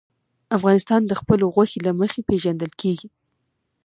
افغانستان د خپلو غوښې له مخې پېژندل کېږي.